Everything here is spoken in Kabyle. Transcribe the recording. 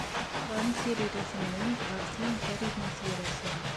Qaren tiririt-nnem ɣer tin n Farid n At Yiraten.